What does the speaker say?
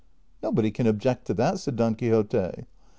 '' Nobody can object to that," said Don Quixote.